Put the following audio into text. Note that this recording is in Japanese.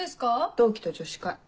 同期と女子会。